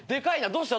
どうした？